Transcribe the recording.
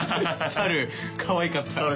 猿かわいかったね。